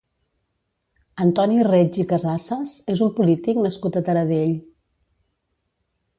Antoni Reig i Casassas és un polític nascut a Taradell.